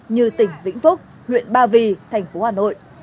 như tỉnh vĩnh phúc huyện ba vì tp hà nội